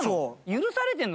許されてんの？